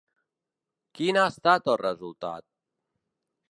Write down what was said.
Quin ha estat el resultat?